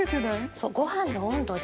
そうご飯の温度で。